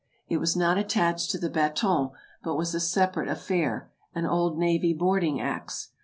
It was not attached to the baton, but was a separate affair — an old navy boarding axe.